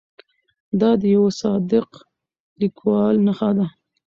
دا د یوه صادق لیکوال نښه ده.